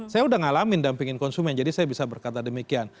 saya udah ngalamin dampingin konsumen jadi saya bisa berkata demikian